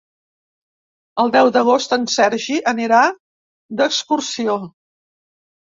El deu d'agost en Sergi anirà d'excursió.